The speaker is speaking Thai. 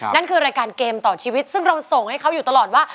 นั่นคือรายการเกมต่อชีวิตซึ่งเราส่งให้เขาอยู่ตลอดว่า